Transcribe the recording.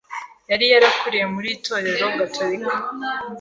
Yari yarakuriye muri itorero Gatulika